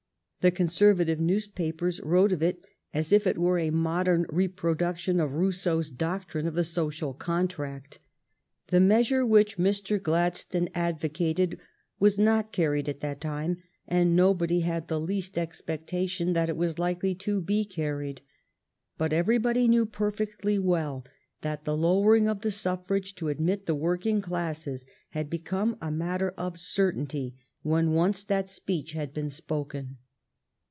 The Conservative newspapers wrote of it as if it were a modern reproduction of Rousseau's doctrine of the social contract. The measure which Mr. Gladstone advocated was not carried at that time, and nobody had the least expectation that it was likely to be carried. But everybody knew perfectly well that the lowering of the suf frage to admit the working classes had become a matter of certainty when once that speech had been spoken.